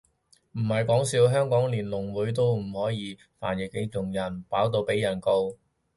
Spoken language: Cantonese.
唔係講笑，香港連聾會都可以唔安排傳譯俾聾人，搞到被人告